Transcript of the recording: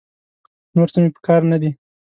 نور څه مې په کار نه دي.